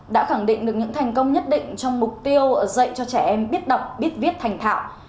đã khẳng định được những thành công nhất định trong mục tiêu dạy cho trẻ em biết đọc biết viết thành thạo